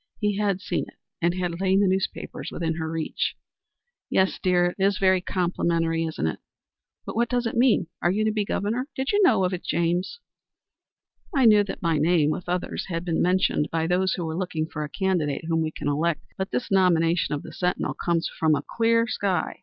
He had seen it, and had laid the newspaper within her reach. "Yes, dear. It is very complimentary, isn't it?" "But what does it mean? Are you to be Governor? Did you know of it, James?" "I knew that my name, with others, had been mentioned by those who were looking for a candidate whom we can elect. But this nomination of the Sentinel comes from a clear sky.